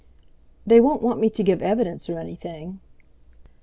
"They won't want me to give evidence or anything?"